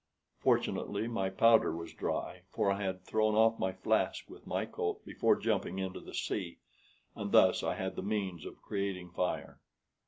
Fortunately my powder was dry, for I had thrown off my flask with my coat before jumping into the sea, and thus I had the means of creating fire.